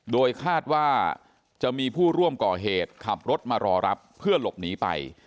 โดยคาดว่าจะมีผู้ร่วมก่อเหตุขับรถมารอรับเพื่อหลบหนีไป